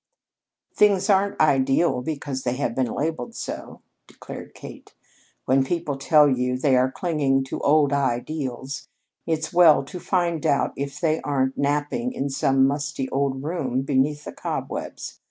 "Things aren't ideal because they have been labeled so," declared Kate. "When people tell you they are clinging to old ideals, it's well to find out if they aren't napping in some musty old room beneath the cobwebs.